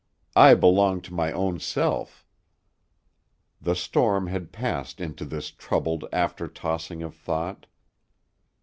I belong to my own self." The storm had passed into this troubled after tossing of thought.